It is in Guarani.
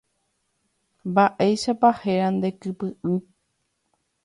Mba'éichapa héra nde kypy'y.